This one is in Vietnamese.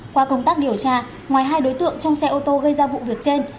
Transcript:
qua công tác điều tra ngoài hai đối tượng trong xe ô tô gây ra vụ việc trên